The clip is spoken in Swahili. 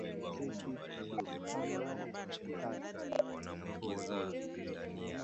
bi hellen unafikiri nchi za afrika zifanye nini sasa